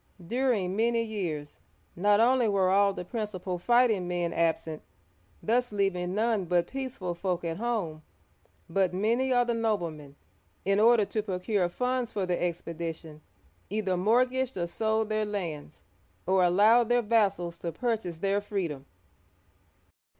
During many years not only were all the principal fighting men absent, — thus leaving none but peaceful folk at home, — but many of the noblemen, in order to procure funds for the expedi tion, either mortgaged or sold their lands, or allowed their vassals to purchase their freedom.